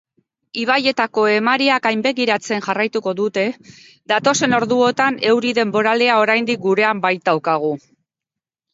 Ibaietako emaria gainbegiratzen jarraituko dute datozen orduotan, euri denboralea oraindik gurean baitaukagu.